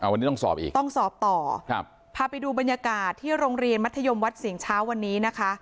วันนี้ต้องสอบอีกต้องสอบต่อครับพาไปดูบรรยากาศที่โรงเรียนมัธยมวัดสิงห์เช้าวันนี้นะคะ